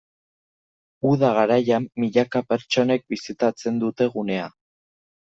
Uda garaian milaka pertsonek bisitatzen dute gunea.